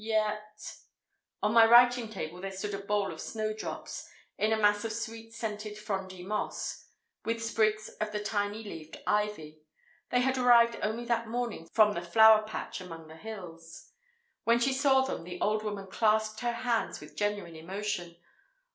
Yet—— On my writing table there stood a bowl of snowdrops, in a mass of sweet scented frondy moss, with sprigs of the tiny leaved ivy; they had arrived only that morning from the Flower Patch among the hills. When she saw them, the old woman clasped her hands with genuine emotion.